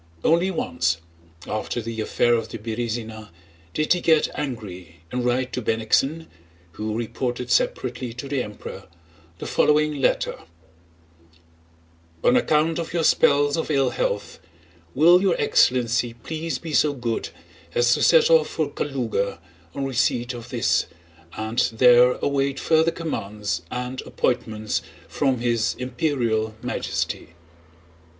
Only once, after the affair of the Berëzina, did he get angry and write to Bennigsen (who reported separately to the Emperor) the following letter: "On account of your spells of ill health, will your excellency please be so good as to set off for Kalúga on receipt of this, and there await further commands and appointments from His Imperial Majesty."